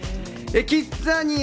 キッザニア